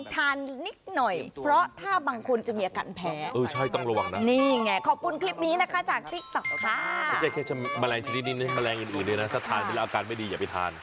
ถ้าทานไปแล้วอาการไม่ดีอย่าไปทาน